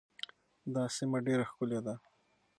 دا سیمه ډېره ښکلې ده.